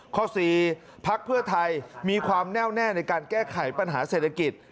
ข้อ๔พักเพื่อไทยมีความแน่วแน่ในการแก้ไขปัญหาเศรษฐกิจ